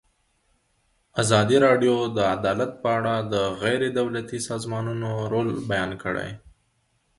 ازادي راډیو د عدالت په اړه د غیر دولتي سازمانونو رول بیان کړی.